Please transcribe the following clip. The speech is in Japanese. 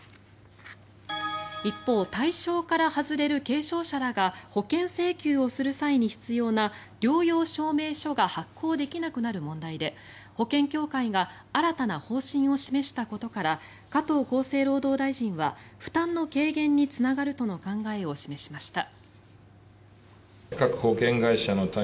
一方、対象から外れる軽症者らが保険請求をする際に必要な療養証明書が発行できなくなる問題で保険協会が新たな方針を示したことから加藤厚生労働大臣は負担の軽減につながるとの考えを示しました。